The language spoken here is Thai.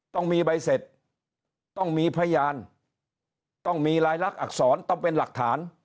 ต้องมีใบเสร็จต้องมีพยานต้องมีลายลักษรต้องเป็นหลักฐาน